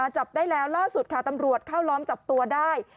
จับได้แล้วล่าสุดค่ะตำรวจเข้าล้อมจับตัวได้